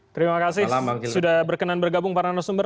terima kasih sudah berkenan bergabung para narasumber